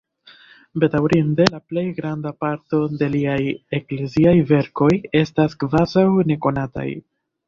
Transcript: Bedaŭrinde la plej granda parto de liaj ekleziaj verkoj estas kvazaŭ nekonataj.